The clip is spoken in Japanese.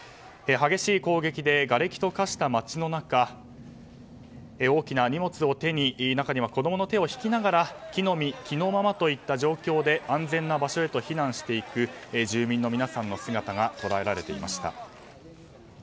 激しい攻撃でがれきと化した街の中大きな荷物を手に中には子供の手を引きながら着の身着のままといった状況で安全な場所へと避難していく住民の皆さんの姿が捉えられていました。